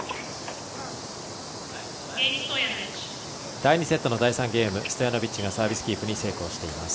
第２セットの第３ゲームストヤノビッチがサービスキープに成功しています。